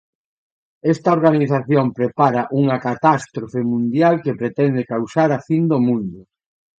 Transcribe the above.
Esta organización prepara unha catástrofe mundial que pretende causar a fin do mundo.